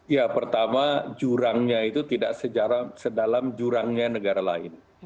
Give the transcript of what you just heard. ya pertama jurangnya itu tidak sedalam jurangnya negara lain